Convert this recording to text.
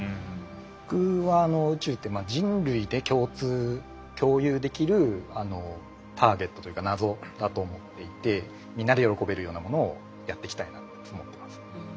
僕は宇宙って人類で共有できるターゲットというか謎だと思っていてみんなで喜べるようなものをやっていきたいなと思ってます。